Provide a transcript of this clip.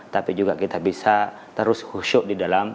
tapi juga kita bisa terus husyuk di dalam